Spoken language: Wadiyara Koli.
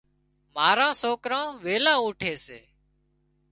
ماران سوڪران ويلان اُوٺي سي۔